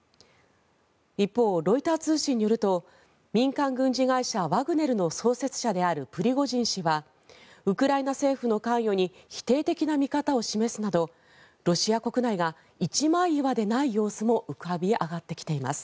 一方、ロイター通信によると民間軍事会社ワグネルの創設者であるプリゴジン氏はウクライナ政府の関与に否定的な見方を示すなどロシア国内が一枚岩でない様子も浮かび上がってきています。